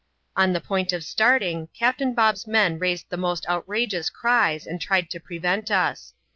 On the point of starting. Captain Bob's men raised the most outrageous cries, and tried to prevent us.